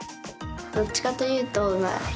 どっちかというとうまい。